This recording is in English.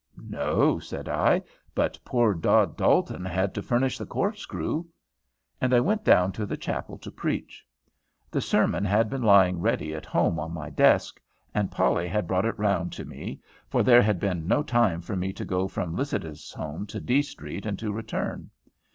"No," said I, "but poor Dod Dalton had to furnish the corkscrew." And I went down to the chapel to preach. The sermon had been lying ready at home on my desk, and Polly had brought it round to me, for there had been no time for me to go from Lycidas's home to D Street and to return.